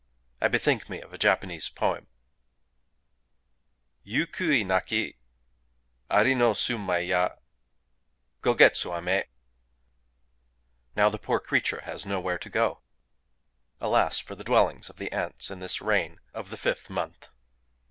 I bethink me of a Japanese poem:— Yuku é naki: Ari no sumai ya! Go getsu amé. [_Now the poor creature has nowhere to go!... Alas for the dwellings of the ants in this rain of the fifth month!